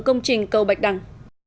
công trình cầu bạch đằng